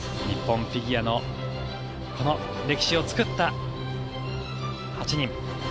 日本フィギュアのこの歴史を作った８人。